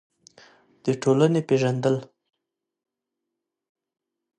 د ټولنې پېژندل: